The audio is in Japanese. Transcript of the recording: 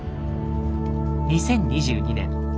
２０２２年。